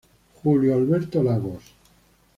Julio Alberto Lagos".